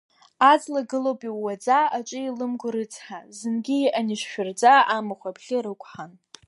Аҵла гылоуп иууаӡа, аҿы еилымго рыцҳа, зынгьы иҟан ишшәырӡа, амахә абӷьы рықәҳан.